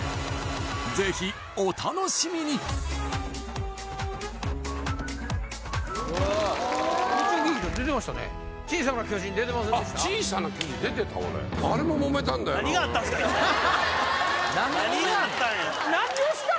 ぜひお楽しみにあっ「小さな巨人」出てた俺何があったんや？